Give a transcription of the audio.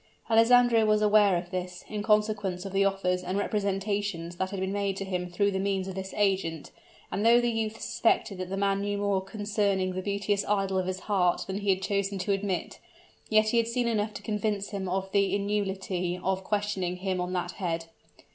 Alessandro was aware of this, in consequence of the offers and representations that had been made to him through the means of this agent, and though the youth suspected that the man knew more concerning the beauteous idol of his heart than he had chosen to admit, yet he had seen enough to convince him of the inutility of questioning him on that head.